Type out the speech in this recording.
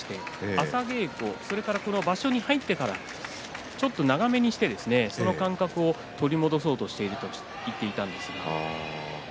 朝稽古それから場所に入ってからちょっと長めにしてその感覚を取り戻そうとしていると言っていました。